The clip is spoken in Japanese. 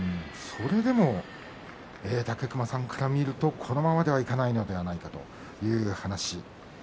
それでも武隈さんから見ると、このままではいかないのではないかという話。